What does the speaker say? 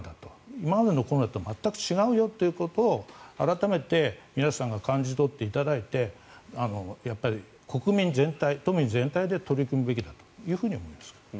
今までのコロナと全く違うよと改めて皆さんが感じ取っていただいて国民全体、都民全体で取り組むべきだと思います。